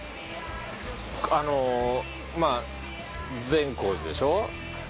あのまあ善光寺でしょ。